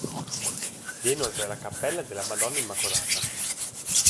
Vi è inoltre la cappella della Madonna Immacolata.